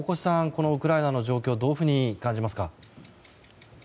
このウクライナの状況をどういうふうに感じますか？